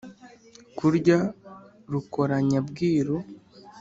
kurya rukoranya-bwiru